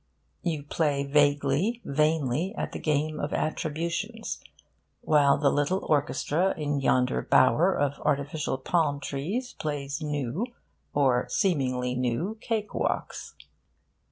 You play vaguely, vainly, at the game of attributions, while the little orchestra in yonder bower of artificial palm trees plays new, or seemingly new, cake walks.